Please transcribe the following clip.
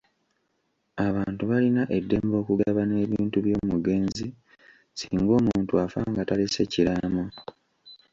Abantu balina eddembe okugabana ebintu by'omugenzi singa omuntu afa nga talese kiraamo.